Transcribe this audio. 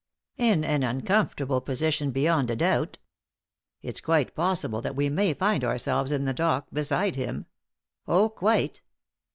" In an uncomfortable position, beyond a doubt" " It's quite possible that we may find ourselves in the dock beside him." " Oh, quite